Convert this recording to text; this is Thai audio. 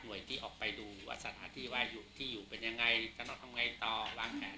หน่วยที่ออกไปดูว่าสถานที่ว่าที่อยู่เป็นยังไงก็ต้องทำยังไงต่อวางแผน